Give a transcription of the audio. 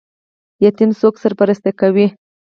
یتیم څوک سرپرستي کوي؟